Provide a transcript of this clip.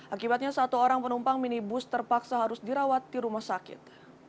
akibatnya satu orang penumpang minibus terpaksa harus dirawat di rumah sakit